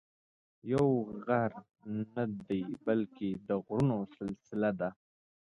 یو غر نه دی بلکې د غرونو سلسله ده.